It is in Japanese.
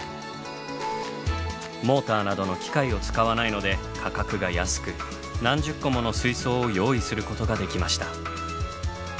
モーターなどの機械を使わないので価格が安く何十個もの水槽を用意することができました。